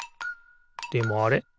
でもあれ？